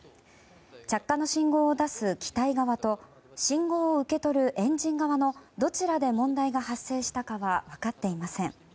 着火の信号を出す機体側と信号を受け取るエンジン側のどちらで問題が発生したかは分かっていません。